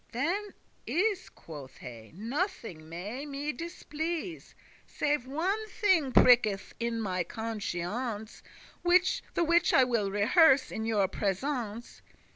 "Then is," quoth he, "nothing may me displease, Save one thing pricketh in my conscience, The which I will rehearse in your presence.